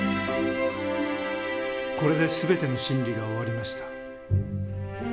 これで全ての審理が終わりました。